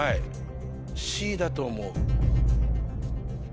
だと思う。